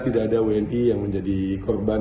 tidak ada wni yang menjadi korban